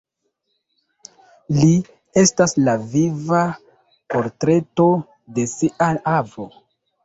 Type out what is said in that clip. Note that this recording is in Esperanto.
Li estas la viva portreto de sia avo!